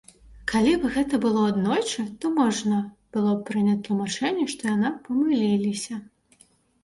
Калі б гэта было аднойчы, то можна было б прыняць тлумачэнне, што яна памыліліся.